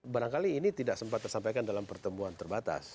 barangkali ini tidak sempat tersampaikan dalam pertemuan terbatas